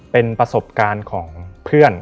เป็นประสบการณ์ของเพื่อน